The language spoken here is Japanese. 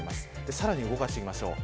さらに動かしていきましょう。